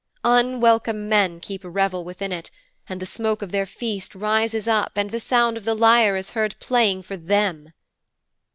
unwelcome men keep revel within it, and the smoke of their feast rises up and the sound of the lyre is heard playing for them.'